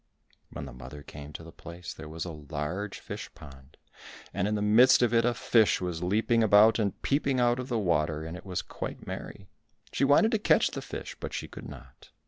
When the mother came to the place, there was a large fish pond, and in the midst of it a fish was leaping about and peeping out of the water, and it was quite merry. She wanted to catch the fish, but she could not.